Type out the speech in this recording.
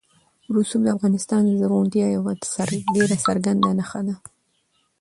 رسوب د افغانستان د زرغونتیا یوه ډېره څرګنده نښه ده.